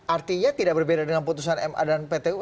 artinya tidak berbeda dengan putusan ma dan pt un